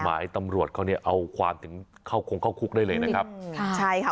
หมายตำรวจเขาเนี่ยเอาความถึงเข้าคงเข้าคุกได้เลยนะครับค่ะใช่ค่ะ